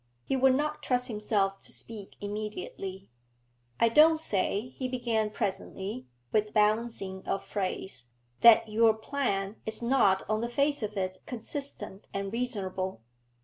He would not trust himself to speak immediately. 'I don't say,' he began presently, with balancing of phrase, 'that your plan is not on the face of it consistent and reasonable.